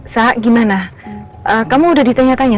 saha gimana kamu udah ditanya tanya